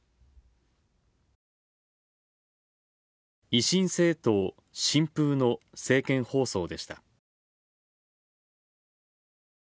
維新政党・新風の政見放送でした。